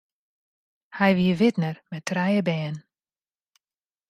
Hy wie widner mei trije bern.